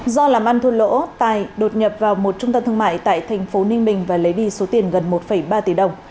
do làm ăn thua lỗ tài đột nhập vào một trung tâm thương mại tại thành phố ninh bình và lấy đi số tiền gần một ba tỷ đồng